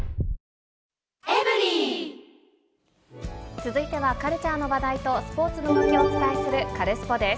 続いてはカルチャーの話題と、スポーツ動きをお伝えするカルスポっ！です。